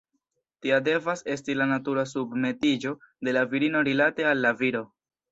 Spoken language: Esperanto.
Tia devas esti la natura submetiĝo de la virino rilate al la viro.